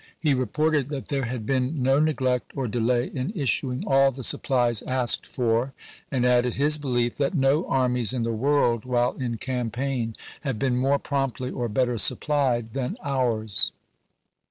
He reported that there had been no neglect or delay in issuing all the supplies asked for, and added his belief " that no armies in the world, while in campaign, have been more promptly or better supplied than ours."